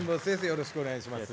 よろしくお願いします